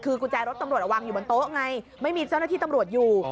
คือกุญแจรถตำรวจวางอยู่บนโต๊ะไงไม่มีเจ้าหน้าที่ตำรวจอยู่